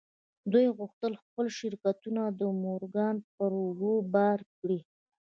دوی غوښتل خپل شرکتونه د مورګان پر اوږو بار کړي.